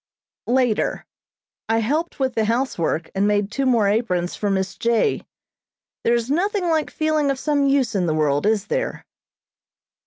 Later. I helped with the housework and made two more aprons for Miss J. There is nothing like feeling of some use in the world, is there?